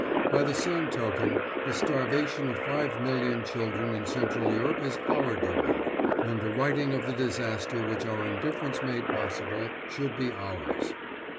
By the same token the starvation of five million children in Central Europe is our doing. And the righting of the disaster which our indifference made possible, should be ours.